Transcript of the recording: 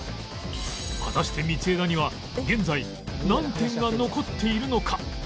果たして道枝には現在何点が残っているのか？